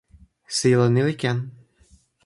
sijelo ni li ken.